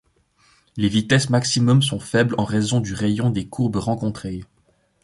Les vitesses maximum sont faibles en raison du rayon des courbes rencontrées.